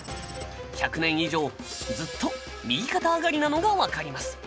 １００年以上ずっと右肩上がりなのがわかります。